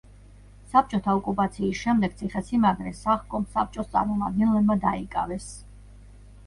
საბჭოთა ოკუპაციის შემდეგ ციხესიმაგრე სახკომსაბჭოს წარმომადგენლებმა დაიკავეს.